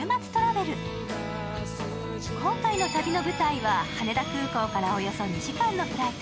今回の旅の舞台は、羽田空港からおよそ２時間のフライト。